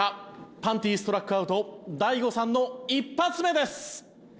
パンティストラックアウト大悟さんの１発目です！